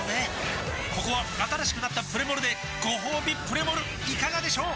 ここは新しくなったプレモルでごほうびプレモルいかがでしょう？